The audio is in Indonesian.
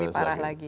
lebih parah lagi